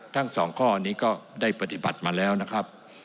ทั้งสองข้อนี้ก็ได้ปฏิบัติมาแล้วนะครับ